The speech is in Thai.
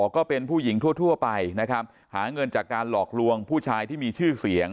ก็เป็นผู้หญิงทั่วไปนะครับหาเงินจากการหลอกลวงผู้ชายที่มีชื่อเสียง